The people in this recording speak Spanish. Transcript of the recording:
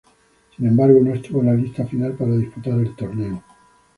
Sin embargo, no estuvo en la lista final para disputar el torneo.